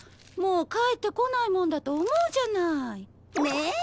もう帰ってこないもんだと思うじゃない。ねえ？